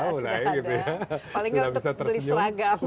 paling gak bisa tersenyum